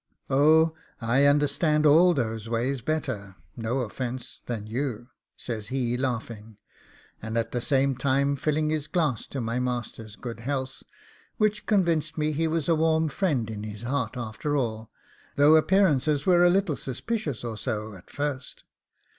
'Oh, I understand all those ways better no offence than you,' says he, laughing, and at the same time filling his glass to my master's good health, which convinced me he was a warm friend in his heart after all, though appearances were a little suspicious or so at first.